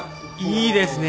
いいですね。